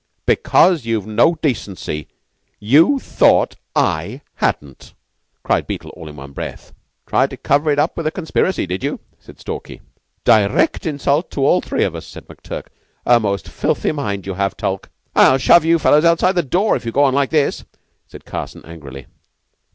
"Because you've no decency you thought I hadn't," cried Beetle all in one breath. "Tried to cover it all up with a conspiracy, did you?" said Stalky. "Direct insult to all three of us," said McTurk. "A most filthy mind you have, Tulke." "I'll shove you fellows outside the door if you go on like this," said Carson angrily.